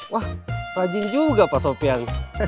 wah rajin juga pak sofian